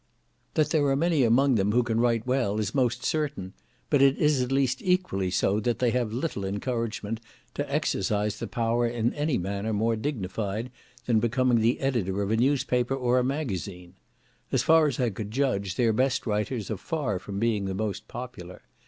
That there are many among them who can write well, is most certain; but it is at least equally so, that they have little encouragement to exercise the power in any manner more dignified than becoming the editor of a newspaper or a magazine. As far as I could judge, their best writers are far from being the most popular.